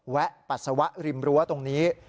ปัสสาวะริมรั้วตรงนี้